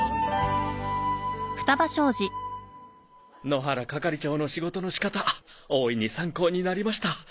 野原係長の仕事の仕方大いに参考になりました。